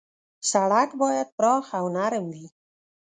سړک باید پراخ او نرم وي.